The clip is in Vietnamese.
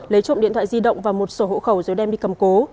lấy trộm điện thoại di động và một sổ hộ khẩu rồi đem đi cầm cố